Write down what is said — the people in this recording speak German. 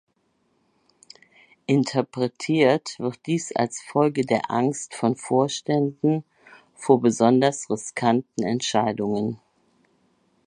Interpretiert wird dies als Folge der Angst von Vorständen vor besonders riskanten Entscheidungen.